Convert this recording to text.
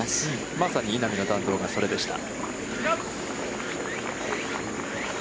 まさに稲見の弾道がそれでした。